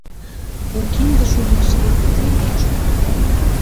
У кинде шумешке, кузе илен шӱман гын?